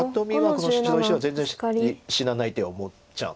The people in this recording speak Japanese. この白石は全然死なないって思っちゃう。